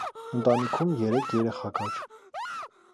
Ընտանիքում երեք երեխա կար։